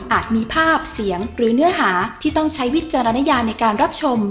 มีภาพเสียงหรือเนื้อหาที่ต้องใช้วิจารณญาในการรับชม